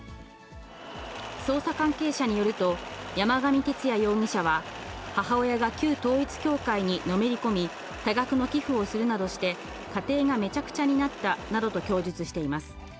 捜査関係者によると、山上徹也容疑者は、母親が旧統一教会にのめり込み、多額の寄付をするなどして、家庭がめちゃくちゃになったなどと供述しています。